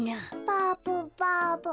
バブバブ。